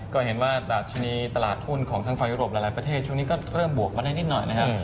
ก็เห็นว่าดัชนีตลาดหุ้นของทางไฟยุโรปหลายประเทศช่วงนี้ก็เริ่มบวกมาได้นิดหน่อยนะครับ